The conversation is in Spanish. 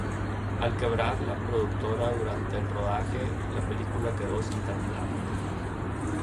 Al quebrar la productora durante el rodaje, la película quedó sin terminar.